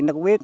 nó có biết